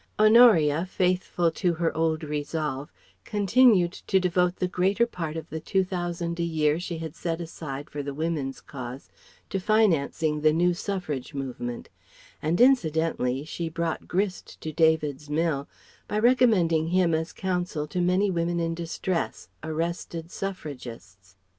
Honoria, faithful to her old resolve, continued to devote the greater part of the Two Thousand a year she had set aside for the Woman's Cause to financing the new Suffrage movement; and incidentally she brought grist to David's mill by recommending him as Counsel to many women in distress, arrested Suffragists.